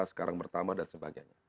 sekarang bertambah dan sebagainya